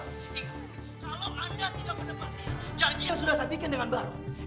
iya kalau anda tidak menempatkan janjinya yang sudah saya bikin dengan barun